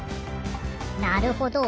なるほど。